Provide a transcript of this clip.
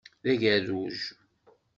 D agerruj!